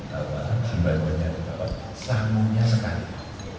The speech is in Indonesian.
dibayangkan dengan sangunya sekali